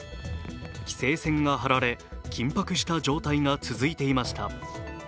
規制線が張られ緊迫した状態が続いていました。